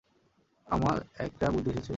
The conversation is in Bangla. আমার একটা বুদ্ধি এসেছে।